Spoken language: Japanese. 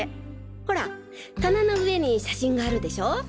ほら棚の上に写真があるでしょ？